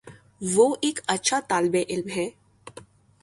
وہ ایک اچھا طالب علم ہے